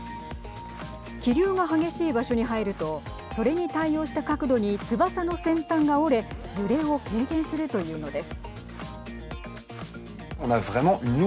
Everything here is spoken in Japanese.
気流が激しい場所に入るとそれに対応した角度に翼の先端が折れ揺れを軽減するというのです。